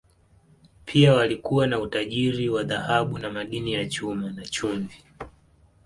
Pia walikuwa na utajiri wa dhahabu na madini ya chuma, na chumvi.